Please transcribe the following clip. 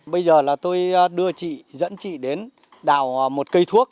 bây giờ là tôi đưa chị dẫn chị đến đào một cây thuốc